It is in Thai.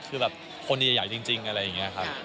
คือแบบคนใหญ่จริงอะไรอย่างนี้ครับ